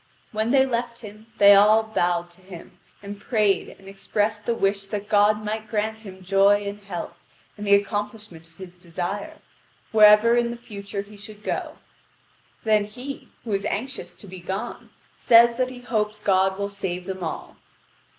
When they left him, they all bowed to him, and prayed and expressed the wish that God might grant him joy and health, and the accomplishment of his desire, wherever in the future he should go. Then he, who is anxious to be gone, says that he hopes God will save them all.